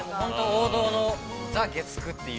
◆王道のザ・月９という。